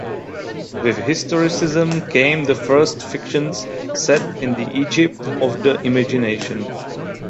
With historicism came the first fictions set in the Egypt of the imagination.